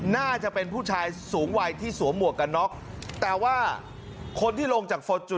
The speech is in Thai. น่าจะเป็นผู้ชายสูงวัยที่สวมหมวกกันน็อกแต่ว่าคนที่ลงจากฟอร์จู